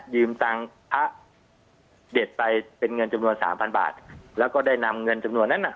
ตังค์พระเด็ดไปเป็นเงินจำนวนสามพันบาทแล้วก็ได้นำเงินจำนวนนั้นน่ะ